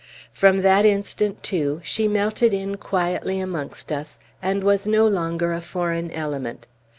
From that instant, too, she melted in quietly amongst us, and was no longer a foreign element.